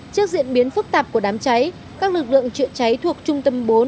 trước diễn biến phức tạp của đám cháy các lực lượng chữa cháy thuộc trung tâm bốn